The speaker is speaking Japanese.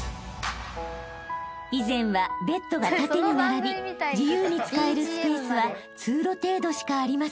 ［以前はベッドが縦に並び自由に使えるスペースは通路程度しかありませんでした］